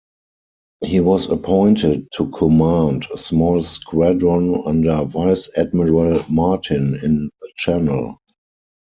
He was appointed to command a small squadron under Vice-Admiral Martin in the Channel.